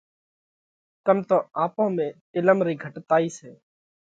ڪم تو آپون ۾ عِلم رئِي گھٽتائِي سئہ۔